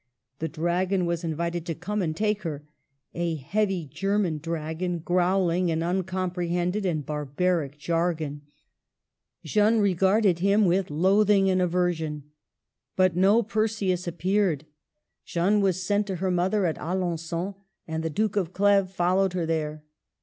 The dragon was invited to come and take her, — a heavy German dragon, growl ing an uncomprehended and barbaric jargon. 1 86 MARGARET OF ANGOUL^ME. Jeanne regarded him with loathing and aversion. But no Perseus appeared. Jeanne was sent to her mother at Alengon, and the Duke of Cleves followed her there.